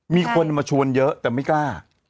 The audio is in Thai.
มีคนมาชวนเยอะแต่ไม่กล้า